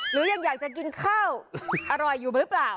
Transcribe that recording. หรือยังอยากจะกินข้าวอร่อยอยู่หรือเปล่า